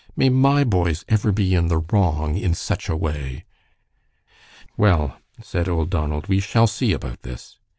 May my boys ever be in the wrong in such a way!" "Well," said old Donald, "we shall see about this.